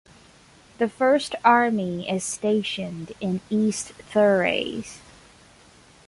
The First Army is stationed in East Thrace.